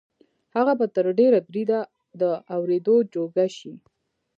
هغه به تر ډېره بریده د اورېدو جوګه شي